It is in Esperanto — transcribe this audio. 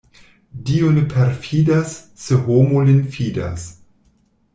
Dio ne perfidas, se homo lin fidas.